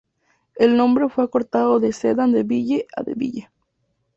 El nombre fue acortado de "Sedan de Ville" a "DeVille".